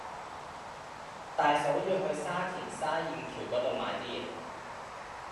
大嫂要去沙田沙燕橋嗰度買啲嘢